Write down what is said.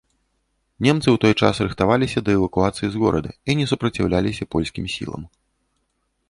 Немцы ў той час рыхтаваліся да эвакуацыі з горада і не супраціўляліся польскім сілам.